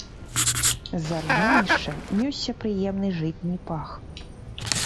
З аржанішча нёсся прыемны жытні пах.